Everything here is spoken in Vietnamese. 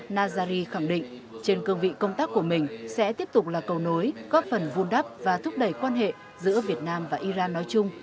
nazari khẳng định trên cương vị công tác của mình sẽ tiếp tục là cầu nối góp phần vun đắp và thúc đẩy quan hệ giữa việt nam và iran nói chung